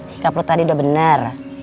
sikap lo tadi udah bener